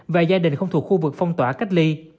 và gia đình không thuộc khu vực phong tỏa cách ly